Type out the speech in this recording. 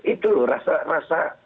itu lho rasa adilannya